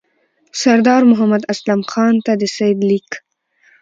سردار محمد اسلم خان ته د سید لیک.